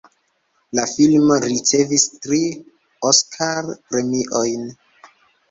La filmo ricevis tri Oskar-premiojn.